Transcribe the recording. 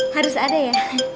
harus ada ya